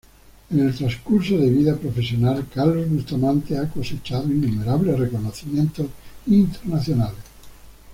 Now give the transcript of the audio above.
En el transcurso de vida profesional, Carlos Bustamante ha cosechado innumerables reconocimientos internacionales.